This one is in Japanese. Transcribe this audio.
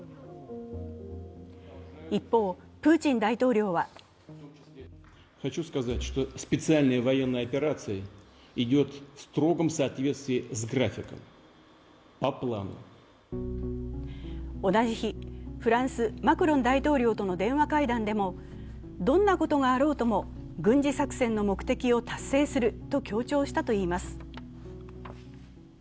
一方、プーチン大統領は同じ日、フランス、マクロン大統領との電話会談でもどんなことがあろうとも、軍事作戦の目的を達成すると強調したといいます。